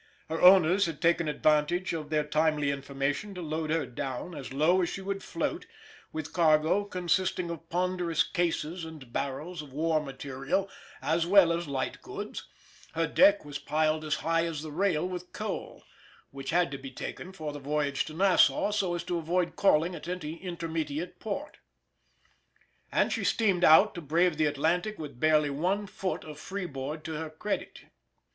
Her owners had taken advantage of their timely information to load her down, as low as she would float, with a cargo consisting of ponderous cases and barrels of war material as well as light goods; her deck was piled as high as the rail with coal, which had to be taken for the voyage to Nassau, so as to avoid calling at any intermediate port; and she steamed out to brave the Atlantic with barely one foot of freeboard to her credit.